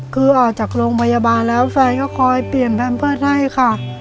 คือออกจากโรงพยาบาลแล้วแฟนก็คอยเปลี่ยนแพมเพิร์ตให้ค่ะ